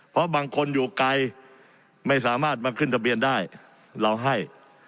เพราะบางคนอยู่ไกลไม่สามารถมาขึ้นทะเบียนได้เราให้